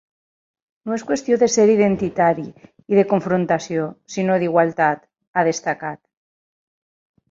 “No és qüestió de ser identitari i de confrontació, sinó d’igualtat”, ha destacat.